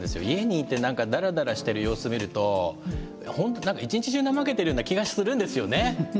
家にいてなんかだらだらしてる様子見るとほんとなんか一日中怠けてるような気がするんですよね。